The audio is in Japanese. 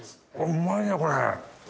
うまいねこれ。